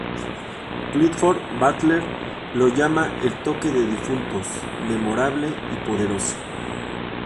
Clifford Bartlett lo llama el toque de difuntos "memorable y poderoso".